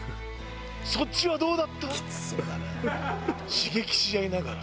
刺激し合いながら。